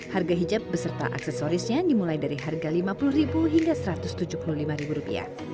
harga hijab beserta aksesorisnya dimulai dari harga rp lima puluh hingga rp satu ratus tujuh puluh lima